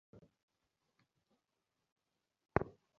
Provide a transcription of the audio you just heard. তিনি আলীগড় বিশ্ববিদ্যালয় গমন করেন।